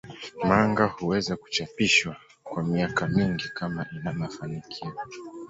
Manga huweza kuchapishwa kwa miaka mingi kama ina mafanikio.